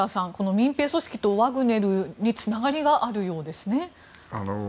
民兵組織とワグネルにつながりがあるようですね。